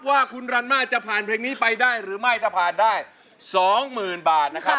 ว่าคุณรันมาจะผ่านเพลงนี้ไปได้หรือไม่ถ้าผ่านได้๒๐๐๐บาทนะครับ